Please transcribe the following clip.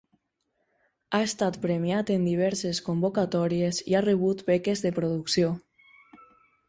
Ha estat premiat en diverses convocatòries i ha rebut beques de producció.